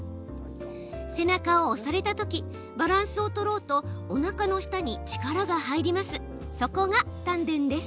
背中を押されたときバランスを取ろうとおなかの下に力が入ります。